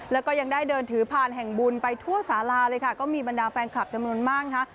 แล้วก็ยังได้เดินถือผ่านแห่งบุญไปทั่วสาราเลยค่ะก็มีบรรดาแฟนคลับจำนวนมากนะคะ